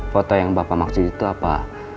foto yang bapak maksud itu apa